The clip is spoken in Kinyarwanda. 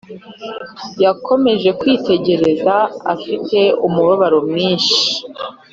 yakomeje kwitegereza afite umubabaro mwinshi